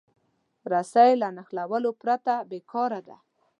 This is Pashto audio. رسۍ له نښلولو پرته بېکاره ده.